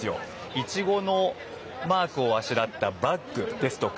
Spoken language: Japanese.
イチゴのマークをあしらったバッグですとか